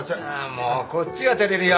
もうこっちが照れるよ。